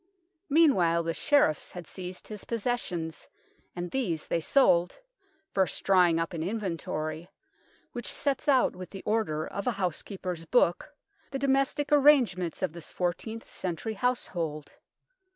Meanwhile the Sheriffs had seized his possessions and these they sold, first drawing up an inventory, which sets out with the order of a housekeeper's book the domestic arrange ments of this fourteenth century household.